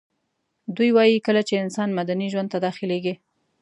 دوی وايي کله چي انسان مدني ژوند ته داخليږي